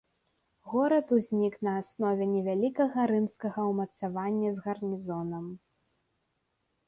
Горад узнік на аснове невялікага рымскага ўмацавання з гарнізонам.